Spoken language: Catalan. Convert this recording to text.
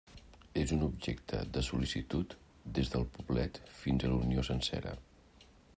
És un objecte de sol·licitud des del poblet fins a la Unió sencera.